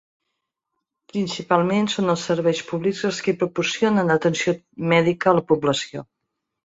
Principalment són els serveis públics els qui proporcionen atenció mèdica a la població.